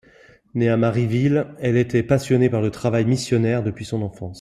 Née à Marieville, elle était passionnée par le travail missionnaire depuis son enfance.